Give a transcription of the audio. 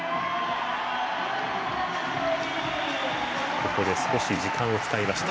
ここで少し時間を使いました。